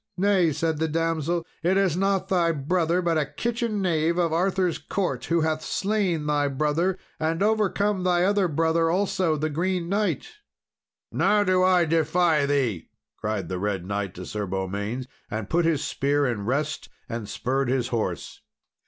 "Nay!" said the damsel, "it is not thy brother, but a kitchen knave of Arthur's court, who hath slain thy brother, and overcome thy other brother also, the Green Knight." "Now do I defy thee!" cried the Red Knight to Sir Beaumains, and put his spear in rest and spurred his horse.